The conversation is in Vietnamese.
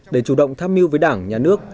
để chủ động tham mưu với đảng nhà nước